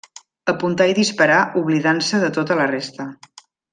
Apuntar i disparar oblidant-se de tota la resta.